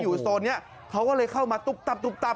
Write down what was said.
อยู่โซนนี้เขาก็เลยเข้ามาตุ๊บตับ